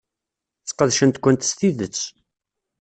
Sqedcent-kent s tidet.